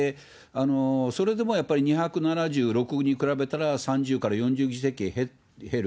それでもやっぱり２７６に比べたら、３０から４０議席減る。